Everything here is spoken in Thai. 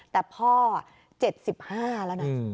แต่พ่อ๗๕แล้วนะ